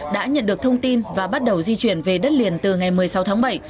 đã nhận được thông tin và bắt đầu di chuyển về đất liền từ ngày một mươi sáu tháng bảy